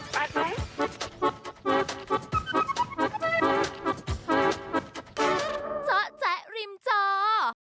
เจ้าแจ๊กริมเจาว์